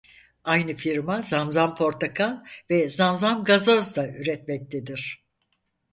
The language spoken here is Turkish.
Aynı firma Zam Zam Portakal ve Zam Zam Gazoz da üretmektedir.